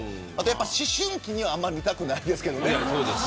思春期にはあんまり見たくないですけどね。